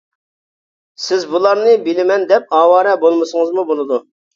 سىز بۇلارنى بىلىمەن دەپ ئاۋارە بولمىسىڭىزمۇ بولىدۇ.